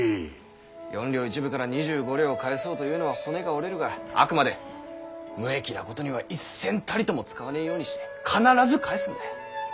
４両１分から２５両を返そうというのは骨が折れるがあくまで無益なことには一銭たりとも使わねぇようにして必ず返すんだ。